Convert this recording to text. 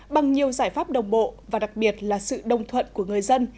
bằng nhiều giải pháp đồng bộ và đặc biệt là sự đồng thuận của người dân